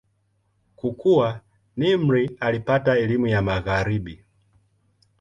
Kukua, Nimr alipata elimu ya Magharibi.